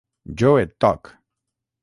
Jo et toc!